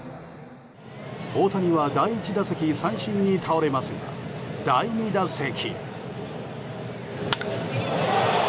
大谷は第１打席三振に倒れますが第２打席。